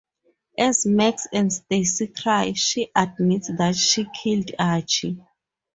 As Max and Stacey cry, she admits that she killed Archie.